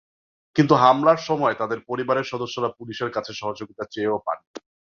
কিন্তু হামলার সময় তাঁদের পরিবারের সদস্যরা পুলিশের কাছে সহযোগিতা চেয়েও পাননি।